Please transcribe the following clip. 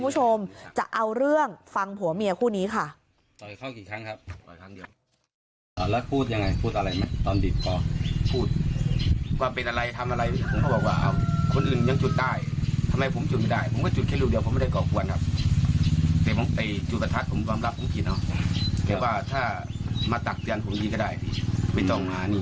ทำไมผมไม่ได้ผมก็จุดเท่าเดียวไม่ได้กล่อภูมิว่าถ้ามาตะทูนี้ก็ได้